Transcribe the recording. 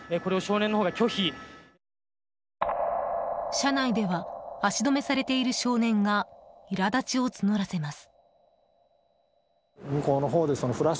車内では足止めされている少年がいら立ちを募らせます。